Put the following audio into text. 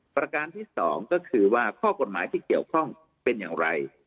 ประการที่๒ก็คือว่าข้อกฎหมายที่เกี่ยวข้องเป็นอย่างไร